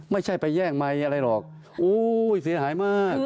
ไม่ใช่ไปแย่งไมค์อะไรหรอกโอ้ยเสียหายมาก